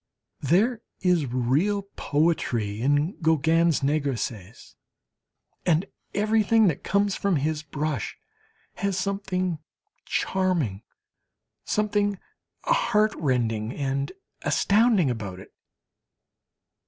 There is real poetry in Gauguin's negresses. And everything that comes from his brush has something charming, something heartrending and astounding about it.